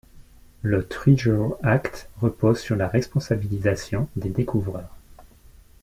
Le Treasure Act repose sur la responsabilisation des découvreurs.